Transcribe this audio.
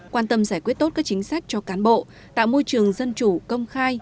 quan tâm giải quyết tốt các chính sách cho cán bộ tạo môi trường dân chủ công khai